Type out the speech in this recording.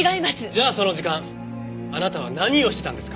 じゃあその時間あなたは何をしてたんですか？